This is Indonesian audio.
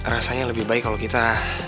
rasanya lebih baik kalau kita